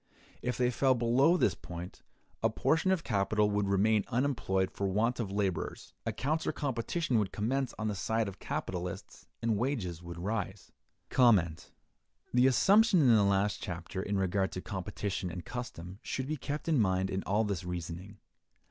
If they fell below this point, a portion of capital would remain unemployed for want of laborers; a counter competition would commence on the side of capitalists, and wages would rise. The assumption in the last chapter in regard to competition and custom should be kept in mind in all this reasoning.